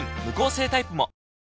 無香性タイプも！